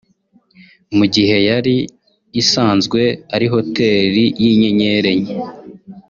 Mu gihe yari isanzwe ari Hoteli y’inyenyeri enye